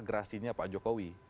pembagasinya pak jokowi